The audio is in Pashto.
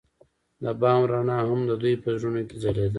د بام رڼا هم د دوی په زړونو کې ځلېده.